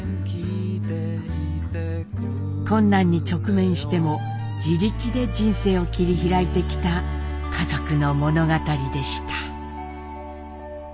困難に直面しても自力で人生を切り開いてきた家族の物語でした。